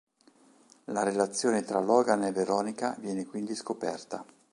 La relazione tra Logan e Veronica viene quindi scoperta.